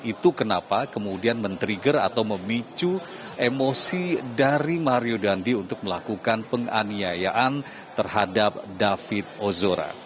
itu kenapa kemudian men trigger atau memicu emosi dari mario dandi untuk melakukan penganiayaan terhadap david ozora